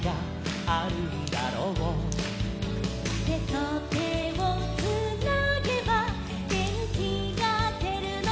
「てとてをつなげばげんきがでるのさ」